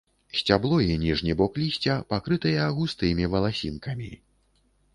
Сцябло і ніжні бок лісця пакрытыя густымі валасінкамі.